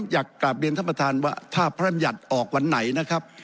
อยากกลับเรียนท่านประธานว่าถ้าพระรำยัติออกวันไหนนะครับ